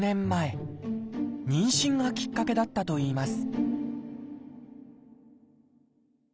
妊娠がきっかけだったといいます